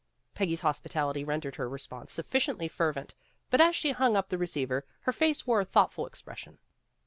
Peggy's hospitality rendered her response sufficiently fervent, but as she hung up the receiver, her face wore a thoughtful ex pression.